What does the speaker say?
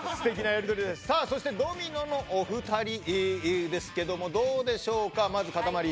そして、ドミノのお二人ですが、どうでしょうか。